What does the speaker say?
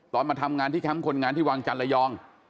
ตอนมาทำงานที่ทำคนงานที่วางจันทร์ละยอง